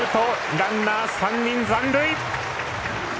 ランナー３人残塁。